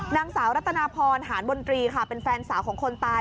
นางสาวรัตนาพรหารบนตรีค่ะเป็นแฟนสาวของคนตาย